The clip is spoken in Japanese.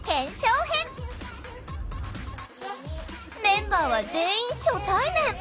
メンバーは全員初対面！